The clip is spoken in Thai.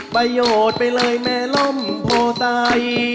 ประโยชน์ไปเลยแม่ล้มพ่อใส